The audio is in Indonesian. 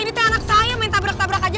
ini teh anak saya main tabrak tabrak aja